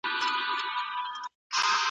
هغې ته وواياست.